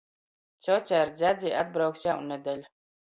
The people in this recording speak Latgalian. Cjoce ar dzjadzi atbrauks jaunnedeļ.